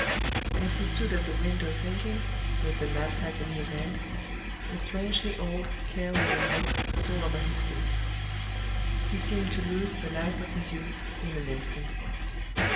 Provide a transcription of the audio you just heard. As he stood at the window thinking, with the knapsack in his hand, a strangely old, care worn look stole over his face: he seemed to lose the last of his youth in an instant.